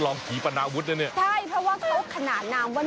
แล้วดูว่ามันควันเขาโม้งอย่างกับไฟมั่ง